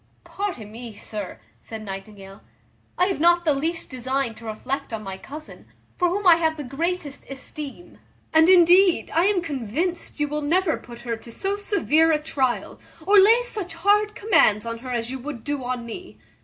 "Pardon, me, sir," said Nightingale, "I have not the least design to reflect on my cousin, for whom I have the greatest esteem; and indeed I am convinced you will never put her to so severe a tryal, or lay such hard commands on her as you would do on me.